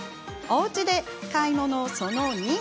おうちｄｅお買い物、その２。